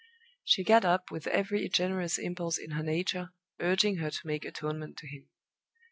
She got up with every generous impulse in her nature urging her to make atonement to him.